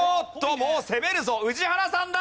もう攻めるぞ宇治原さんだ！